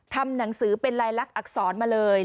ทำหนังสือเป็นลายลักษณอักษรมาเลย